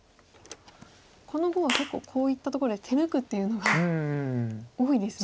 この碁は結構こういったところで手抜くっていうのが多いですね。